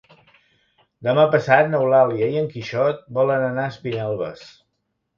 Demà passat n'Eulàlia i en Quixot volen anar a Espinelves.